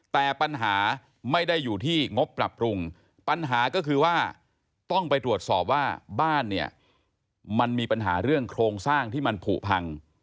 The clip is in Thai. แต่ปัญหาไม่ได้อยู่ที่งบปรับปรุงปัญหาก็คือว่าต้องไปตรวจสอบว่าบ้านเนี่ยมันมีปัญหาเรื่องโครงสร้างที่มันผูกพัง